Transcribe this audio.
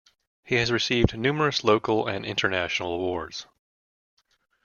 He has received numerous local and international awards.